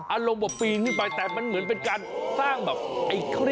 อารมณ์แบบฟีนี่ไปแต่มันเหมือนเป็นการ